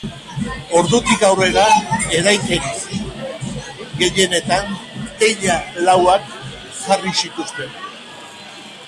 Ordutik aurrera, eraikin gehienetan teila lauak jarri zituzten.